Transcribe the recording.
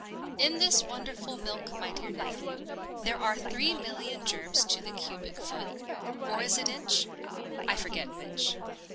"In this wonderful milk, my dear nephew, there are three million germs to the cubic foot — or is it inch ? I forget which.